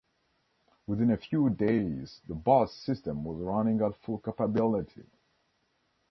Within a few days, the bus system was running at full capability.